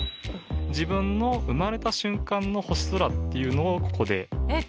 自分の生まれた瞬間の星空っていうのをここで。